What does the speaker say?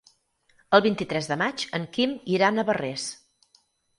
El vint-i-tres de maig en Quim irà a Navarrés.